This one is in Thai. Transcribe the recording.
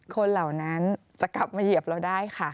เหล่านั้นจะกลับมาเหยียบเราได้ค่ะ